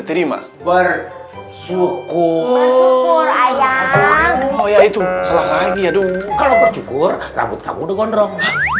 terima bersyukur ayah oh ya itu salah lagi aduh kalau bersyukur rambut kamu gondrong